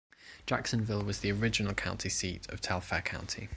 Jacksonville was the original county seat of Telfair County.